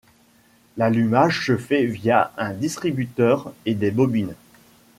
L'allumage se fait via un distributeur et des bobines.